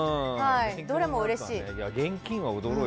どれもうれしい。